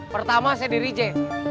pertama saya dirije